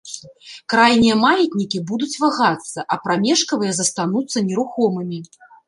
Крайнія маятнікі будуць вагацца, а прамежкавыя застануцца нерухомымі.